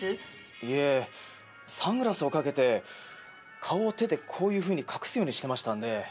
いえサングラスをかけて顔を手でこういうふうに隠すようにしてましたんで。